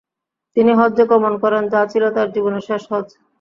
তিনি হজ্জে গমন করেন, যা ছিল তার জীবনের শেষ হজ্জ।